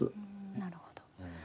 なるほど。